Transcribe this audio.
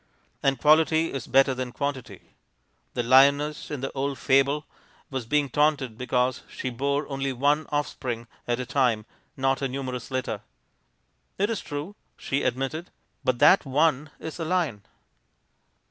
And quality is better than quantity. The lioness in the old fable was being taunted because she bore only one offspring at a time, not a numerous litter. "It is true," she admitted; "but that one is a lion."